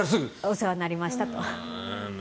お世話になりましたと。